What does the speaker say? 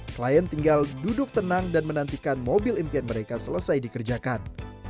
klien tinggal duduk tenang dan menantikan mobil impian mereka selesai dikerjakan